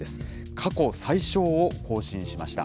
過去最少を更新しました。